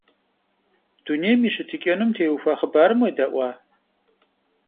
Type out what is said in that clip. Дунейм и щытыкӏэнум теухуа хъыбарым уедэӏуа?